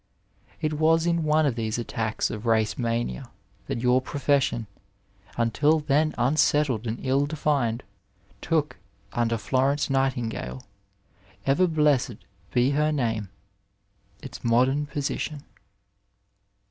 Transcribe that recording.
It was in one of these attacks of race mania that your profession, until then unsettled and ill defined, took, under Florence Nightingale— ever blessed be her name— its modem position.